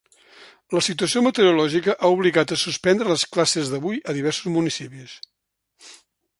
La situació meteorològica ha obligat a suspendre les classes d’avui a diversos municipis.